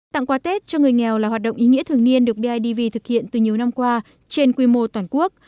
tặng quà tết cho người nghèo là hoạt động ý nghĩa thường niên được bidv thực hiện từ nhiều năm qua trên quy mô toàn quốc